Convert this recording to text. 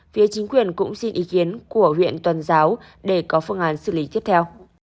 phía chính quyền cũng xin ý kiến của huyện tuần giáo để có phương án xử lý tiếp theo